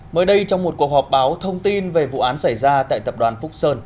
mới đây trong một cuộc họp báo thông tin về vụ án xảy ra tại tập đoàn phúc sơn